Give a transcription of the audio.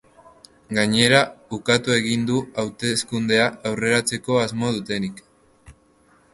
Gainera, ukatu egin du hauteskundeak aurreratzeko asmoa dutenik.